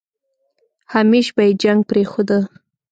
همېش به يې جنګ پرېښوده.